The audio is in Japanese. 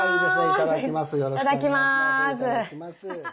いただきます。